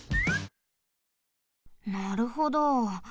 なるほど。